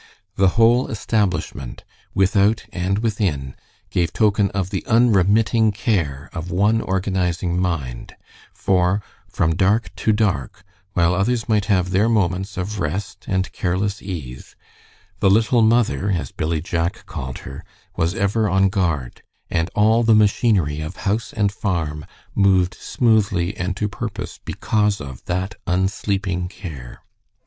The whole establishment, without and within, gave token of the unremitting care of one organizing mind, for, from dark to dark, while others might have their moments of rest and careless ease, "the little mother," as Billy Jack called her, was ever on guard, and all the machinery of house and farm moved smoothly and to purpose because of that unsleeping care.